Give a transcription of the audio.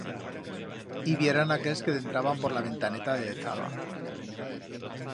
Ib'yeran aquels que dentraban por la ventaneta de dezaga.